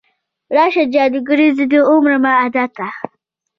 راشه جادوګرې، زه دې ومرمه ادا ته